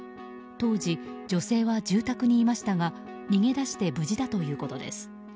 当時、女性は住宅にいましたが逃げ出して無事だということです。